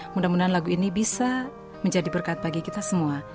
mudah mudahan lagu ini bisa menjadi berkat bagi kita semua